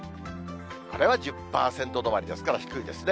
これは１０％止まりですから、低いですね。